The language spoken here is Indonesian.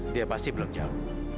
dia pasti belum jauh